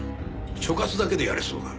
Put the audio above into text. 所轄だけでやるそうだ。